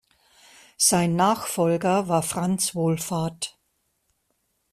Sein Nachfolger war Franz Wohlfahrt.